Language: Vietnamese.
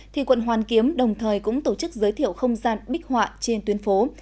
thì quận hoàn kiếm đồng thời cũng tổ chức giới thiệu không gian bích họa trên tuyến phố